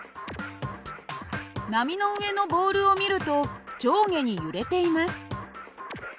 波の上のボールを見ると上下に揺れています。